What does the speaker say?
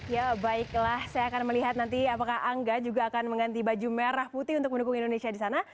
ya baiklah saya akan melihat nanti apakah angga juga akan mengganti baju merah putih untuk mendukung indonesia di sana